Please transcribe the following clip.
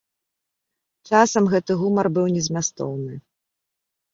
Часам гэты гумар быў незмястоўны.